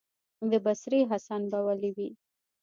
د بصرې حسن به ولي وي،